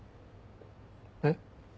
えっ？